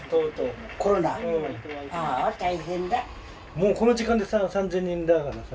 もうこの時間でさ３，０００人だからさ。